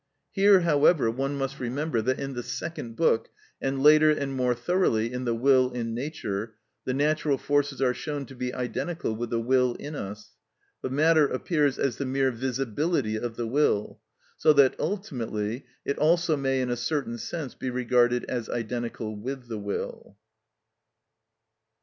Here, however, one must remember that in the second book, and later and more thoroughly in "The Will in Nature," the natural forces are shown to be identical with the will in us; but matter appears as the mere visibility of the will; so that ultimately it also may in a certain sense be regarded as identical with the will.